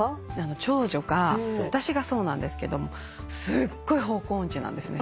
長女が私がそうなんですけどすっごい方向音痴なんですね。